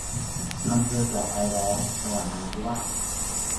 อำเภอเจาะไอร้อง จังหวัดนราธิวาส